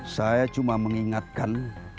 saya cuma mengingatkan